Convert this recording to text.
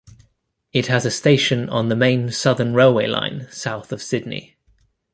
It has a station on the Main Southern railway line south of Sydney.